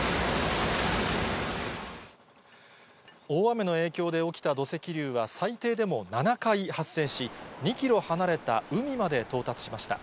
大雨の影響で起きた土石流は、最低でも７回発生し、２キロ離れた海まで到達しました。